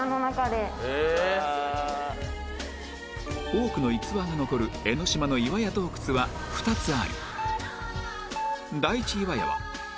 多くの逸話が残る江の島の岩屋洞窟は２つあり